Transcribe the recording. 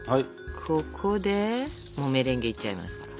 ここでもうメレンゲいっちゃいますから。